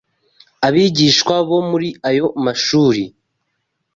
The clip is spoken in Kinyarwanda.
Abigishwa bo muri ayo mashuri